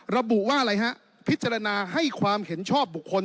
ระบุว่าอะไรฮะพิจารณาให้ความเห็นชอบบุคคล